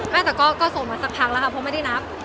ไม่แต่ก็ส่งมาสักพักแล้วค่ะเพราะไม่ได้นับ